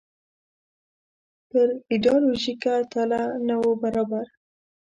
پر ایډیالوژیکه تله نه وو برابر.